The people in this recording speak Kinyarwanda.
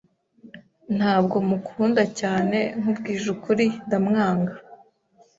Ntabwo mukunda cyane. Nkubwije ukuri, ndamwanga.